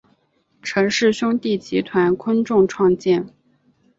陈氏兄弟集团昆仲创建。